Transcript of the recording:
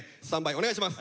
お願いします！